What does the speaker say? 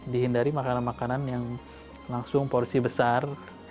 dihindari makanan makanan yang langsung porsi besar